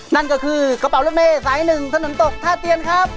นั่นก็คือกระเป๋ารถเมย์สายหนึ่งถนนตกท่าเตียนครับ